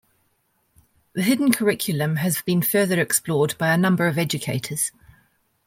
The hidden curriculum has been further explored by a number of educators.